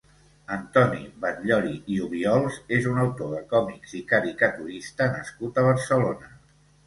Antoni Batllori i Obiols és un autor de còmics i caricaturista nascut a Barcelona.